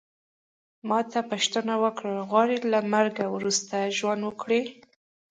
ما ترې پوښتنه وکړل غواړې له مرګه وروسته ژوند وکړې.